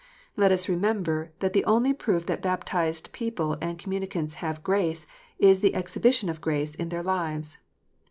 Let us remember that the only proof that baptized people and communicants have grace, is the exhibition of grace in their lives.